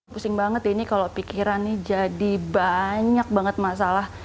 pusing banget ya ini kalau pikiran nih jadi banyak banget masalah